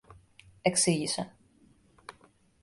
εξήγησε.